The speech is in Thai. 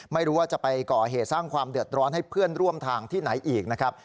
ไม่รู้ว่าจะไปก่อเหตุสร้างความเดือดร้อนให้เพื่อนร่วมทางที่ไหนอีกนะครับ